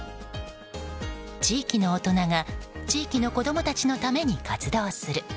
地域の大人が地域の子供たちのために活動する。